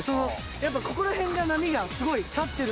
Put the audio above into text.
やっぱここら辺が波がすごい立ってるもんで。